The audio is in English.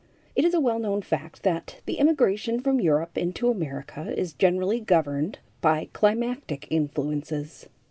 It is a well known fact that the immigration from Europe into America is generally governed by climatic influences.